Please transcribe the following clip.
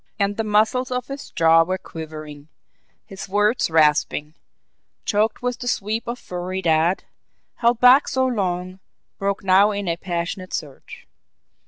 And the muscles of his jaw were quivering, his words rasping, choked with the sweep of fury that, held back so long, broke now in a passionate surge.